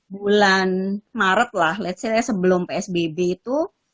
bulan maret lah let's say sebelum psbb itu